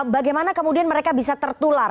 bagaimana kemudian mereka bisa tertular